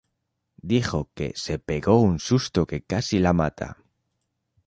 Dijo que "se pegó un susto que casi la mata".